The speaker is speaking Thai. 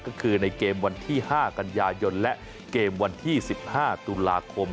ก็คือในเกมวันที่๕กันยายนและเกมวันที่๑๕ตุลาคม